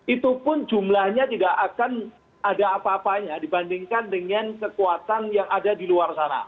itu pun jumlahnya tidak akan ada apa apanya dibandingkan dengan kekuatan yang ada di luar sana